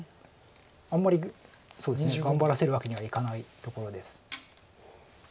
あんまり頑張らせるわけにはいかないところです。